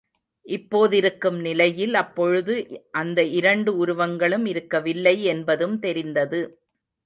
இப்போதிருக்கும் நிலையில் அப்பொழுது அந்த இரண்டு உருவங்களும் இருக்கவில்லை என்பதும் தெரிந்தது.